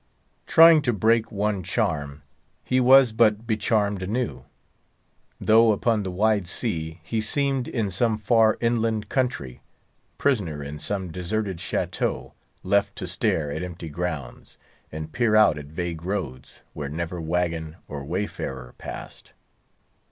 Trying to break one charm, he was but becharmed anew. Though upon the wide sea, he seemed in some far inland country; prisoner in some deserted château, left to stare at empty grounds, and peer out at vague roads, where never wagon or wayfarer passed.